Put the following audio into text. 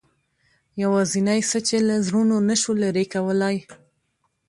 یوازینۍ څه چې له زړونو نه شو لرې کولای.